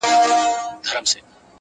کلونه کیږي بې ځوابه یې بې سواله یې،